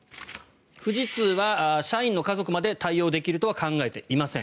富士通は社員の家族まで対応できるとは考えていません。